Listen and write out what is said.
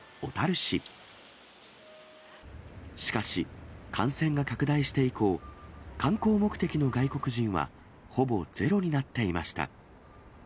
しかし、感染が拡大して以降、観光目的の外国人はほぼゼロになっていました。